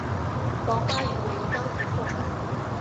黄花鱼为当地特产。